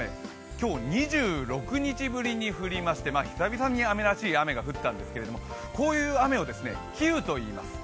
今日、２６日ぶりに降りまして久々に雨らしい雨が降ったんですけど、こういう雨を喜雨といいます。